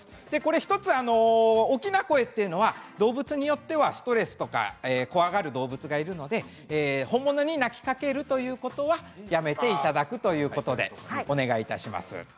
１つ、大きな声というのは動物によってはストレスとか怖がる動物がいるので本物に鳴きかけるということはやめていただくということでお願いいたします。